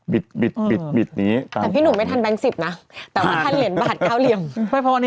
มีใช่ไหมหนุ่มเห็นไหน